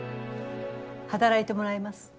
働いてもらいます。